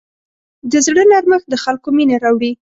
د زړه نرمښت د خلکو مینه راوړي.